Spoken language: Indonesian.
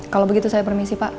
kalau begitu saya permisi pak